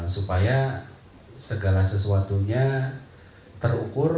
supaya segala sesuatunya terukur